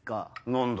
何だ？